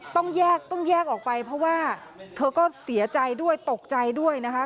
ต้องแยกต้องแยกออกไปเพราะว่าเธอก็เสียใจด้วยตกใจด้วยนะคะ